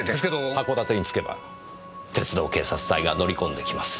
函館に着けば鉄道警察隊が乗り込んできます。